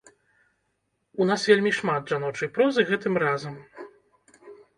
У нас вельмі шмат жаночай прозы гэтым разам.